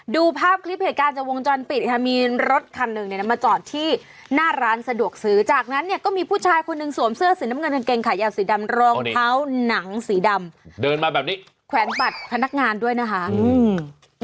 เดินมาแบบนี้แขวนปัดพนักงานด้วยนะคะอืม